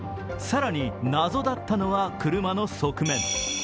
更に謎だったのは車の側面。